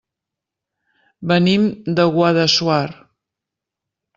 Venim de Guadassuar.